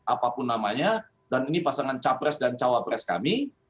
apapun namanya dan ini pasangan capres dan cawapres kami